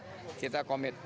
jadi kita komit